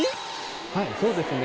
はいそうですね。